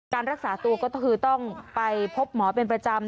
การรักษาตัวก็คือต้องไปพบหมอเป็นประจำ